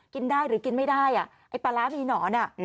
กินได้หรือกินไม่ได้ไอ้ปลาร้ามีหนอน